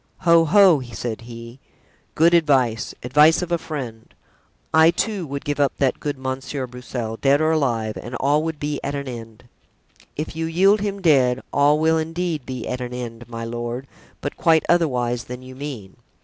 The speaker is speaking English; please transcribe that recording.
"Ho! ho!" said he, "good advice, advice of a friend. I, too, would give up that good Monsieur Broussel, dead or alive, and all would be at an end." "If you yield him dead, all will indeed be at an end, my lord, but quite otherwise than you mean."